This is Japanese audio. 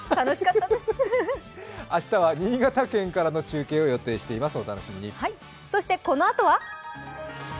明日は新潟県からの中継を予定しています。